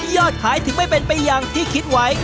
ยอดขายถึงไม่เป็นไปอย่างที่คิดไว้